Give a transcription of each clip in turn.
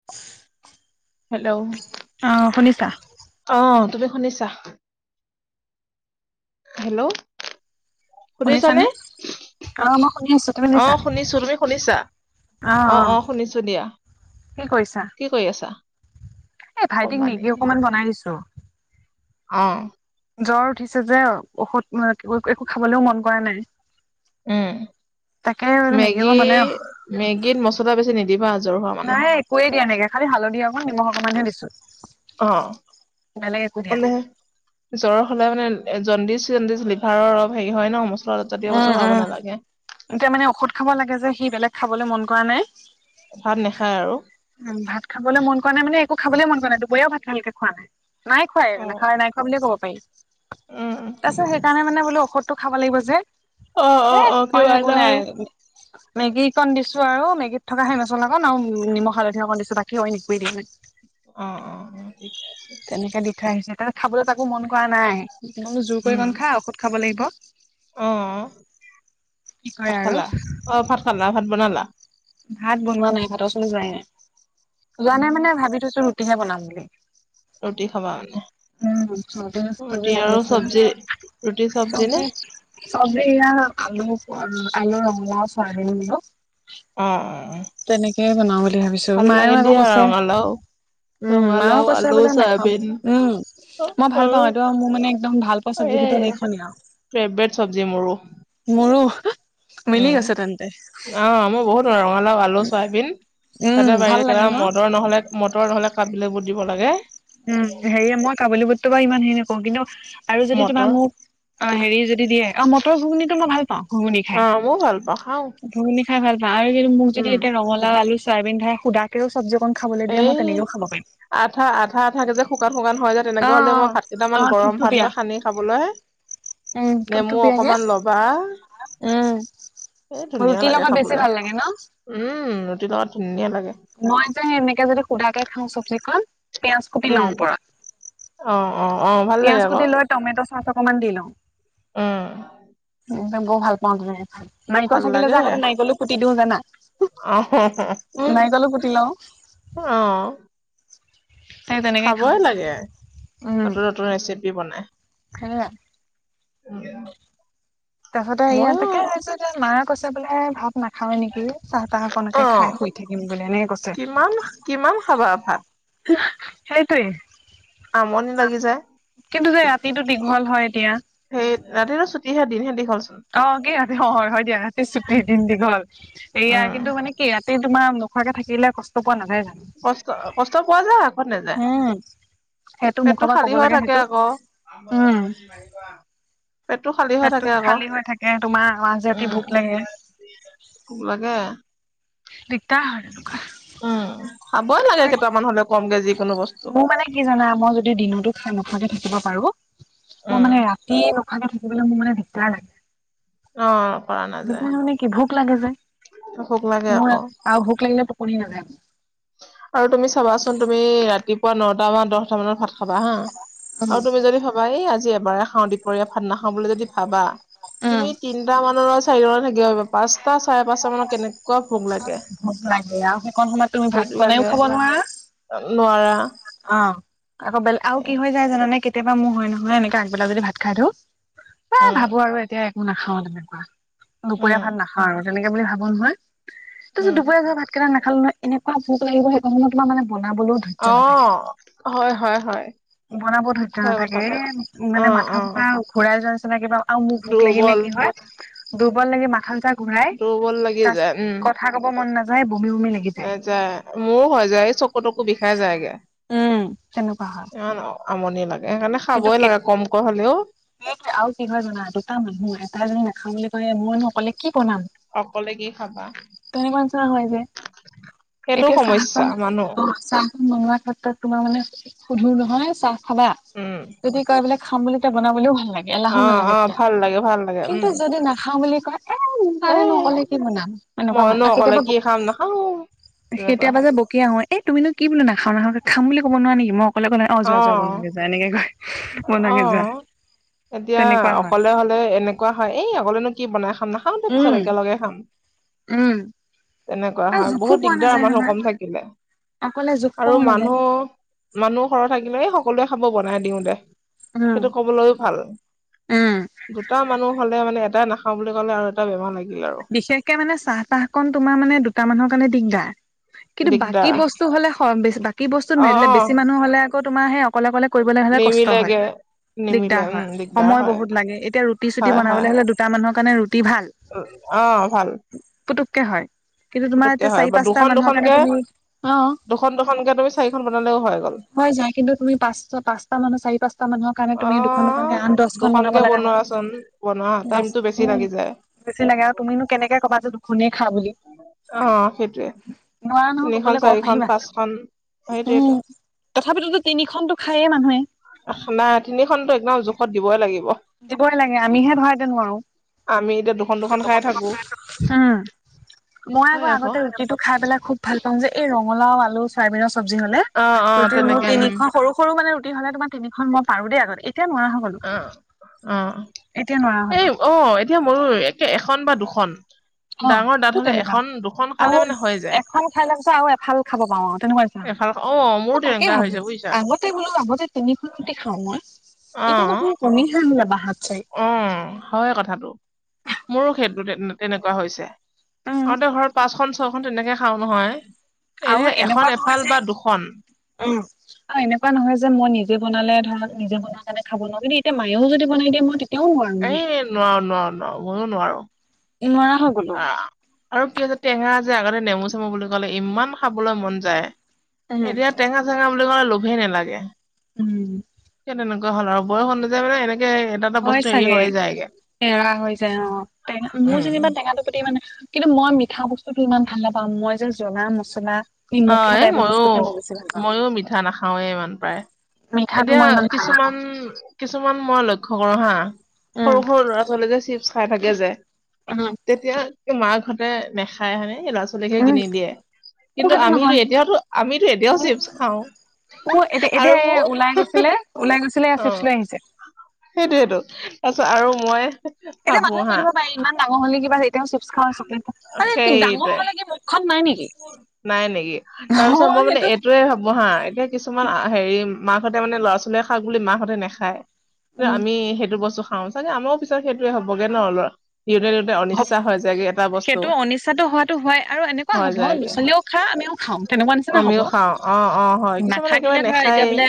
[unintelligible] Hello অ শুনিছা অ তুমি শুনিছা হেল্ল শুনিছানে অ মই শুনি আছো তুমি অ শুনিছা শুনিছো তুমি শুনিছা অ অ শুনিছো দিয়া কি কৰিছা? কি কৰি আছা? এ ভাইটিক সমানে মেগী অকমান বনাই দিছো। অহ জ্বৰ উঠিছে যে ঔষধ এ একো খাবলৈও মন কৰা নাই উম তাকে মেগি মেগী অকমাণ বনাই অ মেগীত মছলা বেছি নিদিবা জ্বৰ হোৱা নাই মানুহক একোৱে দিয়া নাই খালি হালধি অকণমান নিমখ অকমান হে দিছো অ বেলেগ একো দিয়া মানে নাই জ্বৰ হ'লে মানে জণ্ডিচ, জণ্ডিচ লিভাৰৰ অলপ হেৰি হয় ন মছলা জাতীয় উম বস্তু খুৱাব উম নালাগে এতিয়া মানে ঔষধ খাব লাগে যে সি বেলেগ খাবলে মন কৰা নাই ভাত নাখায় আৰু উ ভাত খাবলে মন কৰা নাই মানে একো খাবলে মন কৰা নাই দুবৰীয়াও ভাত ভালকে খোৱা নাই নাই খোৱাই অ নাখাই নাই খোৱা বুলিয়ে ক'ব পাৰি উম তাৰপিছত সেইকাৰণে মানে বোলো ঔষধ খাব লাগিব যে অ অ এ অ অইন কিবা একো এটা নাই হয় মেগী কণ দিছো আৰু মেগীত থকা সেই মছলাকণ আও নিমখ হালধি অকণ দিছো বাকী অইন এনেকোৱে দিয়া নাই অ অ অ ঠিকে আছে তেনেকে দি থৈ আহিছো তা খাবলৈ তাকো মন কৰা নাই মই বোলো জোৰ কৰি উম অকন খা ঔষধ খাব লাগিব অ অ কি কৰে ভাত আৰু খালা, অ ভাত খালা ভাত বনালা ভাত বনোৱা নাই ভাতৰ ওচলো যোৱাই নাই যোৱা নাই উম, মানে ভাবি থৈছো ৰুটিহে বনাম বুলি ৰুটি খাবা উম চৰ্দি মানে চৰ্দি ৰুটি লাগি আৰু আছে যে চবজি ৰুটি চব্জি নে চবজি এয়া আলু, আলু, ৰঙালাও চয়াবিন বোলোঁ। অ অ তেনেকেই বনাও বুলি ভাবিছো ভাল মায়েও লাগে আকৌ দিয়া কৈছে ৰঙালাও, উম মাও ৰঙালাও, কৈছে আলু, বোলে নাখাও চয়াবিন। উম অ', মই অ, ভাল পাওঁ এইটো মোৰ মানে একদম ভাল পোৱা চবজি এই ভিতত এইখনে আও ফেভৰেট চব্জি মোৰো, মোৰো মিলি উম। গৈছে তেন্তে অ মই বহুত মানে ৰঙালাও, আলু, চয়াবিন উম তাতে ভাল পাৰিলে লাগে ন? কেইটামান মটৰ নহ'লে মটৰ নহ'লে কাবুলি বুট দিব লাগে। উম, হেৰি মই কাবুলী বুটটো বা ইমান হেৰি নকৰোঁ, কিন্তু আৰু যদি তোমাৰ মটৰ মোক অ'- হেৰি যদি দিয়ে- অ' মটৰ ঘুগুনিটো মই ভাল পাওঁ, ঘুগুনি খাই। অ', মইও ভাল পাও খাও। ঘুগুনী খাই ভাল পাওঁ আৰু কিন্তু মোক যদি এতিয়া সেই ৰঙলাও, আলু, চয়াবিন খাই সুদা কেও চবজি অকণ খাবলৈ দিয়ে, মই এই তেনেকেও খাব পাৰিম। আঠা- আঠা - আঠাকে যে শুকান - শুকান হয় যে অ তেনেকুৱা হ'লে, মই ভাত অ। অ কেইটামান গৰম ভাত থুপথুপীয়া লৈ সানি খাবলৈ উম নেমু থুপথুপীয়াকে অকমান লবা উম। এ ধুনীয়া ৰুটিৰ লাগে লগত বেছি খাবলে। ভাল লাগে ন? উম, ৰুটিৰ লগত ধুনীয়া লাগে। মই যে এনেকে যদি সুধাকে খাওঁ চবজিখন পিয়াজ কুটি লওঁ উম অ অ অ ভাল ওপৰত। লাগে পিয়াজ আকৌ কুটি লৈ টমেটো ছ'চ অকমান দি লওঁ। উম। একদম বৰ ভাল পাওঁ তেনেকে খাই। ভাল নাৰিকল থাকিলে লাগে যে আগতে নাৰিকলো কুটি দিওঁ জানা অ' হঁ-হঁ। নাৰিকলো কুটি লওঁ। অ'। সেই তেনেকে খাওঁ খাবই লাগে, উম নতুন - নতুন ৰেচিপি বনাই। [unintelligible] উম। তাৰ পিছতে ইয়া ময়ো তাকে আছে যে মায়ে কৈছে বোলে ভাত নাখাৱে নেকি, চাহ-তাহকনকে খাই শুই থাকিম বুলি এনেকে কৈছে। কিমান অ' কিমান খাবা ভাত? সেইটোৱে। আমনি লাগি যায়। কিন্তু যে ৰাতিটো দীঘল হয় এতিয়া। সেইটো। ৰাতিটো ছুটিহে, দিনহে দীঘল চোন। অ' কি ৰাতি হ- হয় দিয়া, ৰাতি ছুটি, দিন দীঘল। এইয়া উম কিন্তু মানে কি ৰা তি তোমাৰ নোখোৱাকে থাকিলে, কষ্ট পোৱা নাযায় জানো? কষ্ট- কষ্ট পোৱা যায় ত নাযায়, উম সেইটো পেটটো মুখৰ পৰা ক'ব খালী হৈ লাগে থাকে সেইটো আকৌ। উম পেটটো খালী হৈ পেটটো থাকে আকৌ, খালী হৈ থাকে তোমাৰ মাজ ৰাতি উম। ভোক লাগে ভোক লাগে। দিকদাৰ হয়। উম, খাবই লাগে কেইটামান হ'লেও কমকে যিকোনো বস্তু মোৰ মানে কি জানা, মই যদি দিনতো খাই নখাকে থাকিব পাৰোঁ, তো উম। মানে ৰা তি নোখোৱাকে থাকিবলৈ মোৰ মানে দিগদাৰ লাগে। অ', কৰা নাযায় দিকদাৰ মানে কি, ভোক লাগে যে। ভোক লাগে মোৰ আকৌ। আৰু ভোক লাগিলে টোপনি নাযায়। আৰু তুমি চাবাচোন, তুমি ৰাতিপুৱা নটা বা দহটা মানত ভাত খাবা হা, আৰু তুমি যদি ভাবা, এই আজি এবাৰে খাওঁ, দপৰীয়া ভাত নাখাওঁ বুলি যদি ভাবা, উম, তুমি তিনিটা মানৰ, চাৰিটালৈ থাকিব পিব। পাঁচটা, চাৰে পাঁচটা মানত কেনেকুৱা ভোক লাগে ভোক লাগে অ'। সেইকণ সময়ত তুমি ভাত ভোক বনাইও লাগে। খাব নোৱাৰা নোৱাৰা। অ'। আকৌ বেলেগ- আৰু এ কি হৈ যায় জানানে, কেতিয়াবা মোৰ হয় নহয় এনেকে আগবেলা যদি ভাত খাই দিওঁ এ উম, ভাবো আৰু এতিয়া একো নাখাওঁ তেনেকুৱা, দুপৰীয়া উম, ভাল নাখা ও আৰু, তেনেকে বুলি ভাব নহয়। তাছত উম। দুপৰীয়া [unintelligible] ভাত কেইটা নাখালো নহয়, এনেকুৱা ভোক লাগিব সেইকণ সময়ত তোমাৰ মানে বনাবলৈও ধৈৰ্য নাথাকে অ', হয় - হয় - হয়। বনাব ধৈৰ্য্য হয় নাথাকে কথাটো এ মানে অ', মাথা অ', ঘুৰাই যোৱাৰ নিচিনা কিবা আৰু মোক ভোক লাগিলে দুৰ্বল কি হয় দুৰ্বল লাগি মাথালা ঘুৰাই দুৰ্বল লাগি যায় উম কথা খাব মন নাযায় বমি বমি লাগে। নাযায় মোৰো হৈ যায় চকু তকু বিষাই যায়গে। উম তেনেকুৱা হয়। অ আমনি লাগে সেইকাৰণে খাবই লাগে কমকৈ হলেও স আৰু কি হয় জানা দুটা মানুহ এটাই নাখাওঁ বুলি কয় মইনো অকলে কি বনাম। অকলে কি খাবা। ধনী মঞ্চনা হয় যে সেইটো এতিয়া চাহ সমস্যা কণ মানুহ চ চ [unintelligible] মনোৱা ক্ষেত্ৰত তোমাৰ মানে সোধো নহয় চাহ খাবা উম যদি কয় বোলে খাম বুলিলে বনাবলেও ভাল লাগে অ এলাহো অ নালাগে তেতিয়া। ভাল লাগে ভাল লাগে কিন্তু উম যদি নাখাওঁ বুলি কয় এই মোৰ এ কাৰেনেনো অক'লে কি বনাম। এনেকুৱা হ মইনো আৰু অকলে কেতিয়াবা কি খাম নাখাও তেনেকুৱা কেতিয়াবা হয় যে কিয় অ এই তুমিনো কি বোলো নাখাওঁ নাখাওঁ খাম বুলি কব নোৱাৰা নেকি মই অকলে অকলে অ যোৱা যোৱা বনোৱােগে যোৱা এনেকে কয়। বনোৱাগে যোৱা অঁ এতিয়া তেনেকুৱা হয় অকলে হলে এনেক হয়, এই আগলেনো কি বনাই খাম নাখাওঁ দে পিছত উম একেলগে খাম। উম তেনেকুৱা আৰু হয় জোখো বহুত পোৱা দিগদাৰ নাযায় মানুহ নহয় কম থাকিলে অকলে জোখ আৰু পোৱাও নাযায় মানুহ মানুহ সৰ থাকিলে সকলোৱে খাব বনাই দিওঁ দে উম সেইটো কবলৈও ভাল। উম দুটা মানুহ হলে মানে এটাই নাখাওঁ বুলি ক'লে আৰু এটা বেমাৰ লাগিল আৰু। বিশেষকে মানে চাহ -তাহকণ তোমাৰ মানে দুটা মানুহৰ কাৰণে দিগ্‌দাৰ কিন্তু বাকী দিগদাৰ বস্ বস্তু হ'লে স বেছি বাকি বস্তুত অ মেলিলে অ বেছি মানুহ হ'লে আকৌ তোমাৰ সেই অক্‌ অকলে অকলে কৰিবলৈ হলে কষ্ট হয় নিমিলেগে নিমিলে দিগদাৰ উম হয় দিগদাৰ সময় হয় বহুত লাগে এতিয়া ৰুটি চুটি হয় বনাব হয় হ'লে দুটা মানুহৰ কাৰণে ৰুটি ভাল। অ ভাল। পুতুককে হয়। কিন্তু তোমাৰ পুতুককে এতিয়া হয় চাৰি বা পাঁচটা দুখন মানুহৰ কাৰণে দুখনকে তুমি অ। দুখন দুখনকে তুমি চাৰিখন বনালেও হৈ গ'ল হয় যায় কিন্তু তুমি পাচ পাচটা মানু চাৰি পাচটা মানুক কাৰণে অ তুমি দুখন দুখনকে আঠ- দশখন দুখনকে বনাব লগা হ'য়। বনোৱাচোন বনোৱা উম, টাইমতটো বেছি লাগি দশখন যায় তেনেকে আৰু তুমিনো কেনেকে ক'বা যে দুখনে খা বুলি? অঁ, সেইটোৱে। নোৱাৰা নহয় ক'বলৈ তিনিখন ক'ব চাৰিখন পাৰিবা পাঁচখন সেইটোৱেটো। তথাপিতোটো তিনিখনটো খাইয়ে মানুহে। আহ্‌ সোনা তিনিখনটো একদম জোখত দিবই লাগিব। দিবই লাগে। আমিহে ধৰা এতিয়া নোৱাৰো। আমি এতিয়া দুখন দুখন লোকে পকৰ পকৰ থাকো। খাই থয়। উম। মই আক' হয় আকৌ আগতে ৰুটিটো খাই পেলাই খুব ভাল পাওঁ যে এই ৰঙলাও, আলু, চয়াবিনৰ চব্জি হ'লে। অ অ ৰুটিৰ মোৰ তেনেকে তিনিখ সৰু সৰু মানে ৰুটি হ'লে তোমাৰ তিনিখন মই পাৰো দেই আগতে। এতিয়া মই নোৱাৰা হৈ গ'লো। অঁ, অ এতিয়া নোৱাৰা হলো এই অঁ এতিয়া মোৰো একে এখন বা দুখন। অ ডাঙৰ ডাঠ মোৰ হ'লে তেনেকুৱা এখন দুখন আৰু খালেমানে হৈ যায়। এখন খাই লোৱাৰ পিছত আৰু এফাল খাব পাৰো আৰু তেনেকুৱা নিচিনা এফাল খাওঁ। অ মোৰো তেনেকুৱা হৈছে বুজিছা? থেই বোলো আগতে তিনিখন ৰুটি খাওঁ মই এতিয়া দেখোন কমিহে আহিলে বাঢ়াত চাই। অঁ, হ'য় কথাটো। মোৰো সেইটো তে তেনেকুৱা হৈছে। উম আগতে ঘৰত পাঁচখন ছয়খন তেনেকে খাওঁ নহয়। এতিয়া এখন এফাল বা দুখন। ওঁ। আৰু এনেকুৱা নহয় যে মই নিজে বনালে, ধৰাহওক নিজে বনোৱা কাৰণে খাব নোৱাৰো কিন্তু এতিয়া মায়েও যদি বনাই দিয়ে মই তেত্‌ এই নোৱাৰ নোৱাৰ নোৱাৰো মইও নোৱাৰোঁ। নোৱাৰা হ'ল? আঁ, আৰু কি হৈছে টেঙা যে আগতে নেমু-চেমু বুলি ক'লে ইমান খাবলৈ মন যায়। উম এতিয়া টেঙা-চেঙা বুলি ক'লে লোভেই নালাগে। উম, এতিয়া তেনেকুৱা হ'ল আৰু বয়স অনুযায়ী মানে এনেকে হে এটা এটা হ'য় বস্তু হেৰি চাগে? হৈ যায়গে এৰা হৈ যায় অ, টেঙা মোৰ উম। যেনিবা টেঙাটো প্ৰতি মানে কিন্তু মই মিঠা বস্তুতোটো ইমান ভাল নাপাওঁ। মই যে জ্বলা মছলা অঁ, নিমখীয়া এ টাইপৰ বস্তুহে মই বেছি ভাল পাওঁ ময়ো-ময়ো মিঠা নাখাওঁৱে ইমান প্ৰায়। মিঠাটো এতিয়া মই ইমান ভাল নাপাওঁ কিছুমান কিছুমান মই লক্ষ্য কৰো হাঁ। উম সৰু-সৰু ল'ৰা-ছোৱালী যে চিপছ খাই থাকে যে উম তেতিয়া মাকহঁতে নেখায় হ'য়, এনে ল'ৰা-ছোৱালীকহে উম কিনি দিয়ে। মোৰ কিন্তু সেইটো আমিটো, নহয় এতিয়াওটো আমিটো এতিয়াও মোৰ চিপছ খাওঁ। মোৰ এতি এতিয়া আৰু মোৰ এইয়া ওলাই গৈছিলে, ওলাই গৈছিলে চিপছ লৈ আহিছে। সেইটোয়েইটো, তাৰপিছত আৰু মই এতিয়া ভাবো মানহক হা কৈ দিব পাৰি, ইমান ডাঙৰ হলি কিবা এতিয়াও চিপছ খাৱ। চকলেটো আৰে কি ডাঙৰ সেইটোৱে হলে কি মুখখন নাই নেকি? নাই নেকি? অ তাৰ পিছত মই মানে সেইটো এইটোৱে হ'ব হাঁ। এতিয়া কিছুমান হেৰি মাকহঁতে মানে ল'ৰা-ছোৱালীয়ে খাওক বুলি মাকহঁতে নেখায়। যে উম আমি সেইটো বস্তু খাওঁ চাগে? আমাৰও পিছত সেইটোৱে হ'বগে ন ল'ৰা। নিজে হপ সেইটো অনিচ্ছাটো হোৱাটো হ'য় আৰু এনেকুৱা হৈ হ'ব যায়গে লৰ-ছোৱালীও খা আমিও খাওঁ, তেনেকুৱা নিচিনা হ'ব। আমিও খাওঁ অ অ হয় কিছুমানে নাথাকিলে একেবাৰে ধৰা এতিয়া নেখায়ে বোলে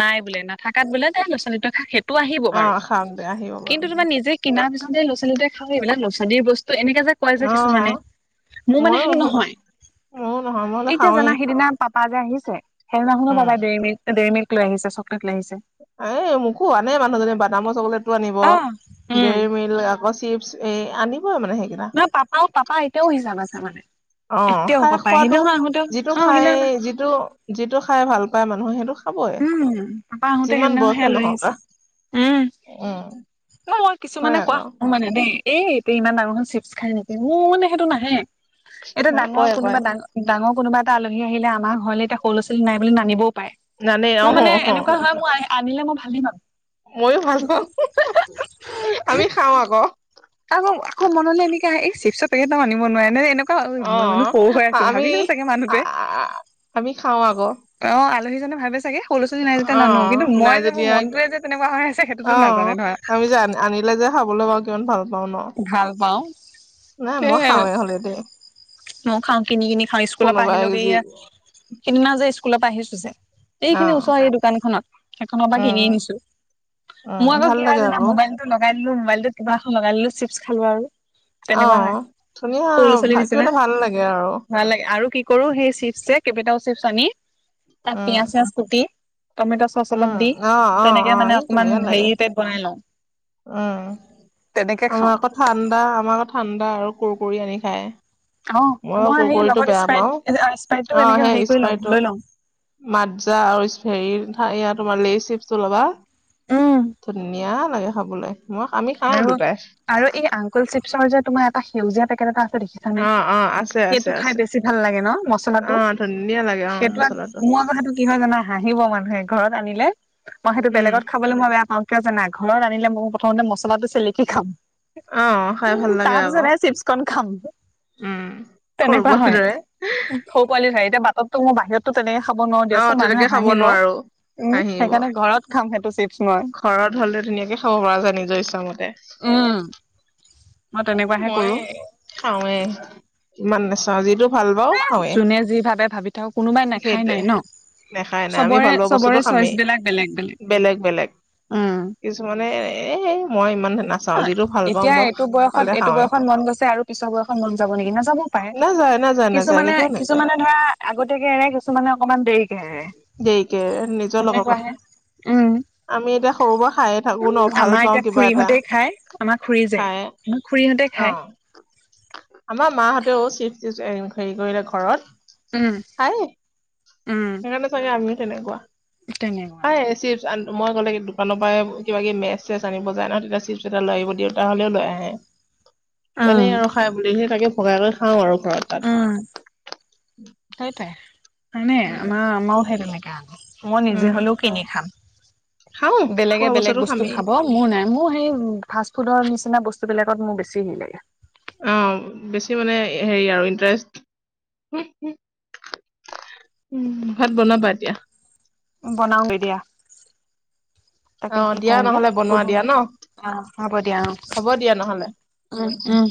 নাই বোলে, নাথাকাত বোলে তই ল'ৰা-ছোৱালীদুটাক সেইটো আহিব অ বাৰু খাওক দে আহিব কিন্তু বাৰু তোমাৰ নিজে কিমান পিছত যে লৰ-ছোৱালী যে খাই, এইবিলাক লৰা-ছোৱালীৰ বস্তু। এনেকে যে ক'য় যে অ কিছুমানে মোৰ মানে ময়ো সেইটো উহো, নহ'য়। ময়ো নহয় মই হ'লে এতিয়া খাওঁৱেই জানা সিদিনা পাপা যে আহিছে, সেইদিনাখনো উম পাপাই দেৰিমিল্ক ডেৰিমিল্ক লৈ আহিছে। চকলেট লৈ আহিছে। এই মোকো আনে, মানুহজনে বাদামৰ চকলেটো আনিব, অ উম ডেৰি মিল্ক আকৌ চিপ এই আনিবই মানে সেইকেইটা। নে পাপা-পাপা এতিয়াও হিচাপ আছে মানে। অ, এতিয়াও খাই পাপাই খোৱাটো। সেইদিনাখন আহোতেও যিটো অ খাই, সেইদিনাখন যিটো-যিটো খাই ভাল পায় মানুহে। সেইটো খাবই। উম, পাপা আহোতে যিমান সেইদিনা বয়সে সেয়া লৈ নহওক আহিছে। আহ উম, উম মই কিছুমানে হয় কোৱা আকৌ শুনো মানে দেই। এই এতিয়া ইমান ডাঙৰখন চিপছ খাই নেকি মোৰ মানে সেইটো নাহে। এতিয়া নাই ডাঙৰ কয় কয় কোনোবা ডাঙৰ ডাঙৰ কোনোবা এটা আলহী আহিলে আমাৰ ঘৰ এতিয়া সৰু লৰা-ছোৱালী নাই বুলি নানিবও পাৰে। জানেই মই অহ মানে অহ এনেকুৱা হয় মই আনিলে মই ভালেই পাওঁ। মইয়ো ভাল পাওঁ, আমি খাও আকৌ। আকৌ আকৌ মনলৈ এনেকে এই চিপছৰ পেকেট এটাও আনিব নোৱাৰে নে এনেকে। অ, মই মানে সৰু হৈ আছো আমি ভাবিছো চাগে মানুহটোৱে। আমি খাওঁ আকৌ অ, আলহীজনে ভাবে চাগে। সৰু লৰা-ছোৱালী নাই যেতিয়া, অ নানো কিন্তু নাই মই যে মোৰ যেতিয়া মনটোৱে যে তেনেকুৱা হৈ আছে অ সেইটোতো নাজানে ধৰা। আমি যে আনিলে যে খাবলে পাও, কিমান ভাল পাওঁ ন। ভাল পাওঁ। নাই এ মই খাওঁৱে হ'লে দেই মই খাওঁ, কিনি-কিনি খাওঁ, স্কুলৰ পৰা কোনোবাই আহিলো যি সেইয়া সেইদিনা যে স্কুলৰ পৰা আহিছো যে, অ এইখিনি ওচৰৰ এই দোকানখনত সেইখনৰ পৰা উম কিনি আনিছো। উম মই ভাল আকৌ কি লাগে হয় জনা আকৌ মোবাইল লগাই দিলো মোবাইলটোত কিবা এখন লগাই দিলো চিপছ খালো আৰু। অ, তেনেকুৱা হয় ধুনীয়া সৰু ল'ৰা ছোৱালীৰ কিবা নিচিনা এটা ভাল লাগে আৰু। ভাল লাগে। আৰু কি কৰো সেই চিপ কেইবাটাও চিপছ আনি, তাতে উম পিয়াজ চিয়াজ কুটি, টমেট চচ উম অলপ দি অ অ অ তেনেকে এই মানে অকমান ধুনীয়া লাগে হেৰি টাইপ বনাই লওঁ। উম, তেনেকে খাওঁ আমাৰ আকৌ ঠাণ্ডা আমাৰ আকৌ ঠাণ্ডা আৰু কুৰকুৰি আনি খায়। অ মই সেই কুৰকুৰিটো লগত বেয়া স্প্ৰাইট পাওঁ। স্প্ৰাইটটো অ, এনেকে হেৰি সেই কৰি লওঁ লৈ স্পাইৰটো। লওঁ মাদ্জা আৰু তোমাৰ লেইছ চিপছটো ল'বা, ধুনীয়া লাগে খাবলে মই আমি খাও দুটাই। চিপচৰ যে তোমাৰ এটা সেউজীয়া পেকেট এটা আছে দে অ অ আছে সেইটো আছে খাই আছে বেছি ভাল লাগে ন মচলাটো অ ধুনীয়া লাগে অ সেইটো মচলাটো মো আক সেইটো, কিহয় জানা হাঁহিব মানুহে ঘৰত আনিলে মই সেইটো উম বেলেগত খাব মই বেয়া পাওঁ কিয় জানা ঘৰত আনিলে মই প্ৰথমতে মছলাটো চেলেকি খাম। অ', খাই ভাল লাগে আকৌ, তাৰপিছত চিপচখন খাম। উম তেনেকুৱা সৰুবৰ হয় দৰে। সৰু পোৱালি এতিয়া বাটত, মোৰ বাহিৰটো তেনেকে খাব নোৱাৰো অ', দিয়াচোন তেনেকে মানুহে খাব হাঁহিব নোৱাৰো, উম হাঁহিব। সেইকাৰণে ঘৰত, খাম সেইটো চিপছ মই। ঘৰত হলে ধুনীয়াকে খাব পৰা যায় নিজৰ ইচ্ছামতে। উম মই এ তেনেকুৱাহে মই কৰো খাওৱে ইমান নাচাও যিটো ভাল পাওঁ, খাওঁৱে, যোনে যি ভাবে ভাবি থাকক কোনোবাই নাখাই সেইটোৱে। নাই ন। নেখায় নাই, আমি চবৰে ভাল পোৱা চবৰে বস্তুটো খামেই, চইচবিলাক বেলেগ বেলেগ। উম কিছুমানে এ মই ইমান হেনা এতিয়া এইটো বয়সত এইটো বয়সত মন গৈছে আৰু পিছৰ বয়সত মন যাব নেকি নেযাব, নাযায়, পায় নাযায়, নাযায়, কিছুমানে কেতিয়াও নাযায়, কিছুমানে ধৰা আগতিয়াকে এৰে কিছুমানে অকমান দেৰিকে এৰে। দেৰিকে নিজৰ লগৰ সেনেকুৱাহে কথা। উম। আমি এতিয়া সৰু পৰা খাইয়ে থাকো ন ভাল পাওঁ কিবা এটা। সতে খাই আমাক খুৰি যে খাই, আমাক খুৰীহঁতে খায়। অ'। আমাৰ মাহঁতেও চিফ চ হেৰি কৰিলে ঘৰত। উম খায়ে উম সেইকাৰণে চাগে আমি তেনেকুৱা তেনেকুৱা খায়ে চি মই গলে দোকানৰ পৰাই কিবা কি মেচ চেচ আনিব যায় ন তেতিয়া চিপছ এটা লৈ আহিব দিয়ে দেউটা হ'লেও লৈ আহে। উম জানেই আৰু খাই বুলি সি তাকে ভগাই কৰি খাওঁ আৰু ঘৰত। তাত অ তাই তাই মানে উম আমাৰ আমাৰও সেই তেনেকে আক, মই নিজে উম হলেও কিনি খাম, খাওঁ বেলেগে খোৱা বেলেগ বস্তুটো বস্তু খামেই খাব। মোৰ নাই মোৰ সেই ফাষ্ট ফুডৰ নিচিনা বস্তুবিলাকত মোৰ বেছি হেৰি লাগে। অ বেছি মানে হেৰি আৰু ইন্টাৰেষ্ট- উম ভাত বনাবা এতিয়া। বনাও গে দিয়া। অ তাকে কি দিয়া কওঁ গে নহ'লে বনোৱা সোধো দিয়া ন অ হব দিয়া অ। হ'ব দিয়া নহ'লে উম উম।